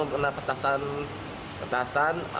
ada kena kena petasan